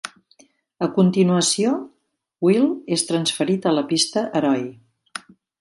A continuació, Will és transferit a la pista "Heroi".